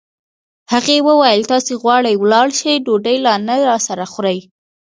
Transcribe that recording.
هغې وویل: تاسي غواړئ ولاړ شئ، ډوډۍ لا نه راسره خورئ.